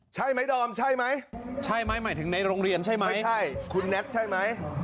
ใช่มั้ยดอมใช่มั้ยใช่มั้ยหมายถึงในโรงเรียนใช่มั้ยไม่ใช่คุณแน็ตใช่มั้ย